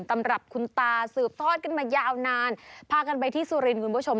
สำหรับคุณตาสืบทอดกันมายาวนานพากันไปที่สุรินทร์คุณผู้ชม